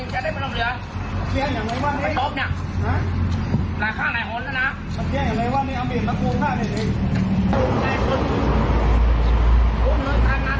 หลายข้างหลายคนนะน่ะผู้ชายก็ในวัวนี้อัมเบียร์มากรวงหน้าเดี๋ยวนี่